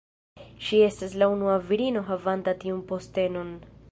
Ŝi estas la unua virino havanta tiun postenon.